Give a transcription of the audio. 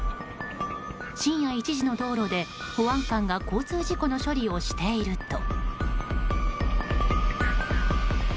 深夜１時の道路で、保安官が交通事故の処理をしていると。